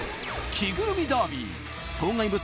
着ぐるみダービー障害物